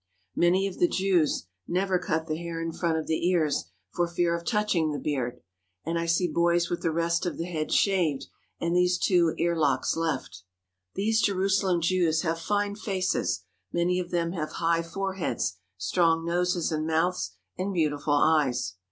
Many of the Jews never cut the hair in front of the ears for fear of touching the beard, and I see boys with the rest of the head shaved and these two earlocks left. These Jerusalem Jews have fine faces. Many of them have high foreheads, strong noses and mouths, and beautiful eyes.